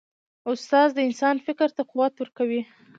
استاد د انسان فکر ته قوت ورکوي.